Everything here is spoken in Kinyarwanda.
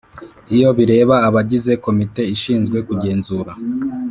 Iyo bireba abagize Komite ishinzwe kugenzura